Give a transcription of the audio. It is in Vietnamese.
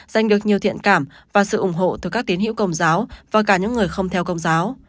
giành được nhiều thiện cảm và sự ủng hộ từ các tín hiệu công giáo và cả những người không theo công giáo